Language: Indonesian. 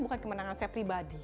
bukan kemenangan saya pribadi